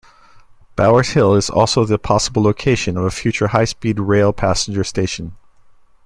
Bower's Hill is also the possible location of a future high-speed rail passenger station.